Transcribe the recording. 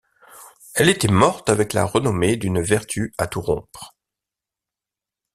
Elle était morte avec la renommée d’une vertu à tout rompre.